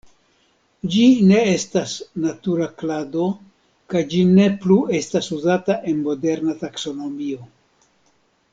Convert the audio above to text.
Ĝi ne estas natura klado kaj ĝi ne plu estas uzata en moderna taksonomio.